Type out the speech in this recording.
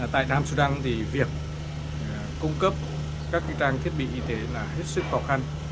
tại nam sudan thì việc cung cấp các trang thiết bị y tế là hết sức khó khăn